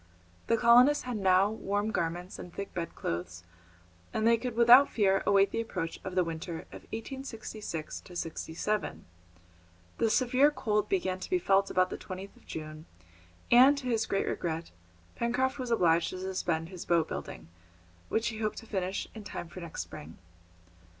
The colonists had now warm garments and thick bedclothes, and they could without fear await the approach of the winter of 1866 67. The severe cold began to be felt about the 20th of June, and, to his great regret, Pencroft was obliged to suspend his boat building, which he hoped to finish in time for next spring.